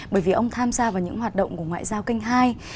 bởi vì ông tham gia vào những hoạt động của ngoại giao kênh hai